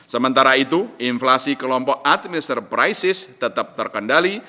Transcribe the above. sementara itu inflasi kelompok adminster prisis tetap terkendali